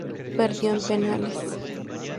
Perdió en penales.